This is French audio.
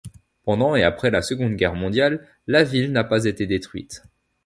Pendant et après la Seconde Guerre mondiale, la ville n'a pas été détruite.